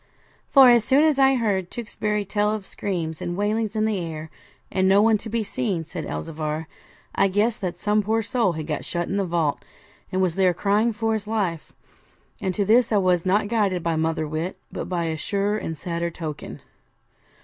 'For as soon as I heard Tewkesbury tell of screams and wailings in the air, and no one to be seen,' said Elzevir, 'I guessed that some poor soul had got shut in the vault, and was there crying for his life. And to this I was not guided by mother wit, but by a surer and a sadder token.